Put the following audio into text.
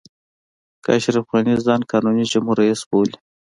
که اشرف غني ځان قانوني جمهور رئیس بولي.